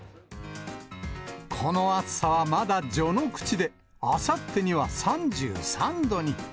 この暑さはまだ序の口で、あさってには３３度に。